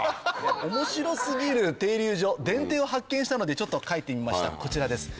面白過ぎる停留場「電停」を発見したのでちょっと描いてみましたこちらです。